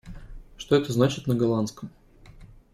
Что это значит на голландском?